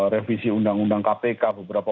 revisi undang undang kpk beberapa